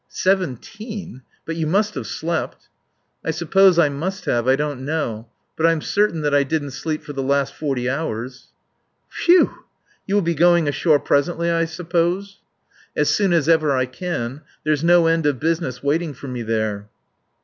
"Seventeen! ... But you must have slept." "I suppose I must have. I don't know. But I'm certain that I didn't sleep for the last forty hours." "Phew! ... You will be going ashore presently I suppose?" "As soon as ever I can. There's no end of business waiting for me there."